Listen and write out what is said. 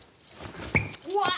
うわっ。